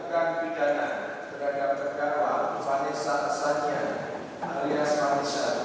dijatuhkan pidana terhadap terkawal fonis saksanya alias fonis saksanya